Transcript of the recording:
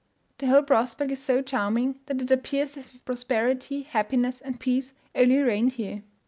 The whole prospect is so charming, that it appears as if prosperity, happiness, and peace, only reigned here.